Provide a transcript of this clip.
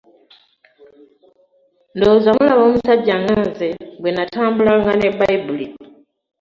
Ndowooza mulaba omusajja nga nze bwe natambulanga ne Bbayibuli!